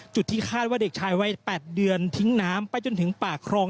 ที่คาดว่าเด็กชายวัย๘เดือนทิ้งน้ำไปจนถึงปากครอง